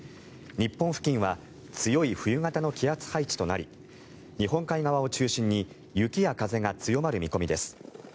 日本付近は強い冬型の気圧配置となり日本海側を中心に雪や風が強まる見込みです。